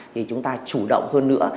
thì chúng ta chủ động hơn nữa